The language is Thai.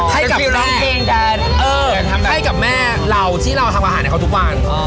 ให้กับแม่เออให้กับแม่เราที่เราทำอาหารให้เขาทุกวันอ๋อ